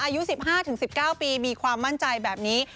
อายุ๑๕๑๙ปีมีความมั่นใจแบบนี้